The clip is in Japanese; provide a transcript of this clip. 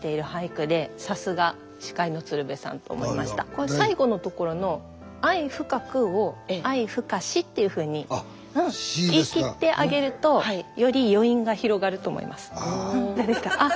これ最後の所の「愛深く」を「愛深し」っていうふうに言い切ってあげるとより余韻が広がると思います。